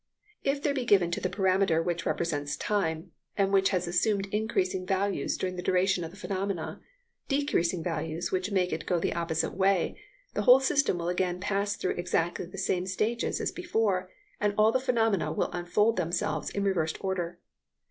If there be given to the parameter which represents time, and which has assumed increasing values during the duration of the phenomena, decreasing values which make it go the opposite way, the whole system will again pass through exactly the same stages as before, and all the phenomena will unfold themselves in reversed order.